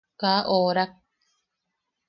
Kaa orak.